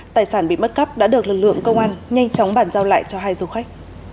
tài sản bị mất cắp đã được lực lượng công an nhanh chóng bàn giao lại cho hai du khách